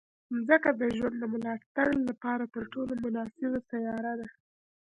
مځکه د ژوند د ملاتړ لپاره تر ټولو مناسبه سیاره ده.